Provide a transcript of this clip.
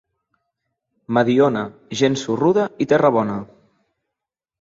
Mediona, gent sorruda i terra bona.